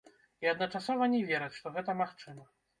І адначасова не вераць, што гэта магчыма.